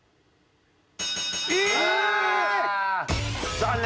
残念。